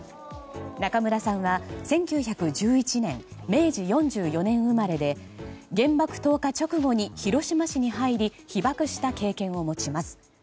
中村さんは１９１１年明治４４年生まれで原爆投下直後に広島市に入り被爆した経験を持ちます。